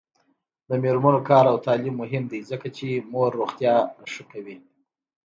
د میرمنو کار او تعلیم مهم دی ځکه چې مور روغتیا ښه کوي.